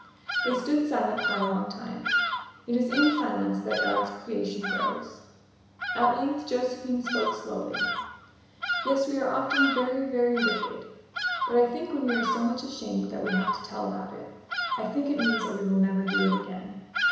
They stood silent for a long time. It is in silence that God's creation grows. At length Josephine spoke slowly: "Yes, we are often very, very wicked; but I think when we are so much ashamed that we have to tell about it I think it means that we will never do it again."